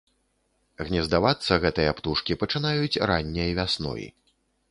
Гнездавацца гэтыя птушкі пачынаюць ранняй вясной.